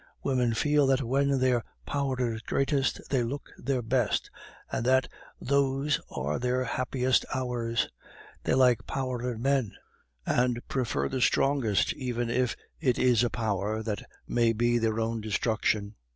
Women feel that when their power is greatest, they look their best, and that those are their happiest hours; they like power in men, and prefer the strongest even if it is a power that may be their own destruction.